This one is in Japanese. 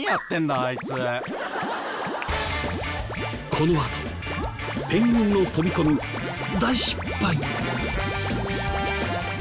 このあとペンギンの飛び込み大失敗！？